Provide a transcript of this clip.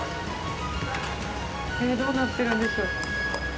どうなってるんでしょう。